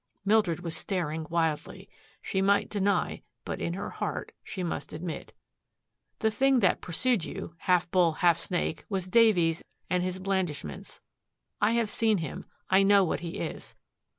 Mildred was staring wildly. She might deny but in her heart she must admit. "The thing that pursued you, half bull, half snake, was Davies and his blandishments. I have seen him. I know what he is.